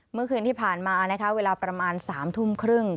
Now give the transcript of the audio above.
เมื่อคืนที่ผ่านมานะคะเวลาประมาณ๓ทุ่มครึ่ง